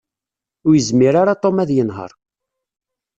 Ur yezmir ara Tom ad yenheṛ.